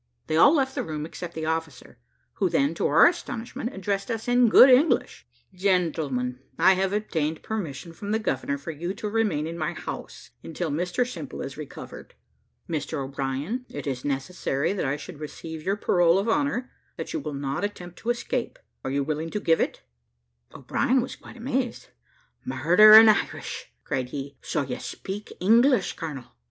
They all left the room except the officer, who then, to our astonishment, addressed us in good English: "Gentlemen, I have obtained permission from the governor for you to remain in my house, until Mr Simple is recovered. Mr O'Brien, it is necessary that I should receive your parole of honour, that you will not attempt to escape. Are you willing to give it?" O'Brien was quite amazed; "Murder an' Irish," cried he; "so you speak English, colonel."